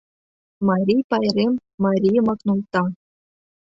МАРИЙ ПАЙРЕМ МАРИЙЫМАК НУЛТА